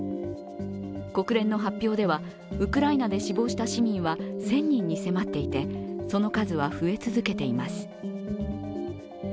国連の発表では、ウクライナで死亡した市民は１０００人に迫っていてその数は増え続けています。